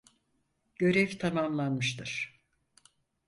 Görev tamamlanmıştır.